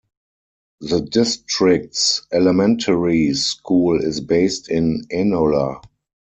The district's elementary school is based in Enola.